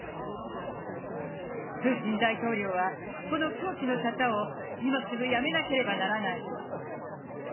プーチン大統領は、この狂気の沙汰を今すぐやめなければならない。